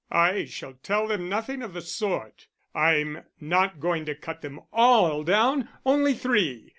"I shall tell them nothing of the sort. I'm not going to cut them all down only three.